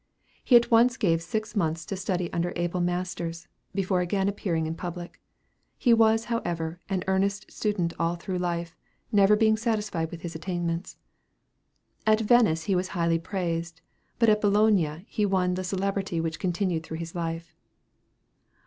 He at once gave six months to study under able masters, before again appearing in public. He was, however, an earnest student all through life, never being satisfied with his attainments. At Venice he was highly praised, but at Bologna he won the celebrity which continued through life.